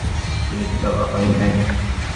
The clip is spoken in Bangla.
তাহাদিগকে কখনও আত্মতত্ত্ব শুনিতে দেওয়া হয় নাই।